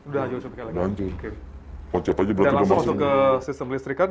dan langsung masuk ke sistem listri kan